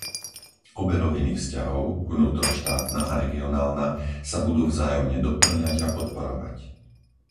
Obe roviny vzťahov - vnútroštátna a regionálna - sa budú vzájomne dopĺňať a podporovať.